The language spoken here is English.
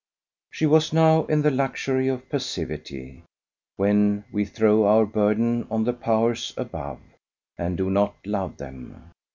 She was now in the luxury of passivity, when we throw our burden on the Powers above, and do not love them.